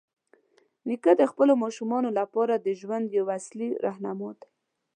نیکه د خپلو ماشومانو لپاره د ژوند یوه اصلي راهنما دی.